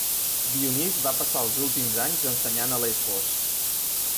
Dionís va passar els últims anys ensenyant a Lesbos.